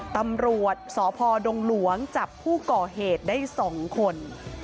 ตำรวจสพดงหลวงจับผู้ก่อเหตุได้๒คน